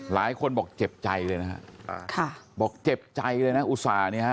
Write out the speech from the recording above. หลายคนบอกเจ็บใจเลยนะฮะบอกเจ็บใจเลยนะอุตส่าห์เนี่ยฮะ